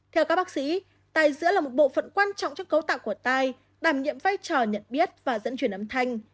theo các bác sĩ tai dữa là một bộ phận quan trọng trong cấu tạo của tai đảm nhiệm vai trò nhận biết và dẫn chuyển âm thanh